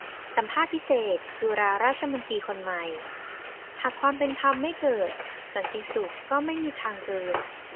สัมภาษณ์พิเศษ จุฬาราชมนตรีคนใหม่ : หากความเป็นธรรมไม่เกิด สันติสุขก็ไม่มีทางเกิด